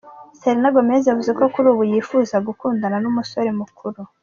Selena Gomez yavuze ko kuri ubu yifuza gukundana n’umusore mukuru.